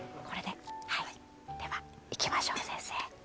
では、いきましょう、先生。